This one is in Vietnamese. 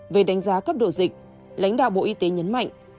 về đánh giá cấp độ dịch lãnh đạo bộ y tế nhấn mạnh